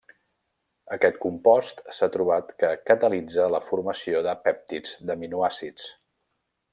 Aquest compost s'ha trobat que catalitza la formació de pèptids d'aminoàcids.